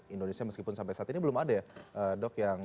indonesia meskipun sampai saat ini belum ada ya dok